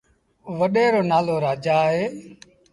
وڏي رو نآلو رآجآ اهي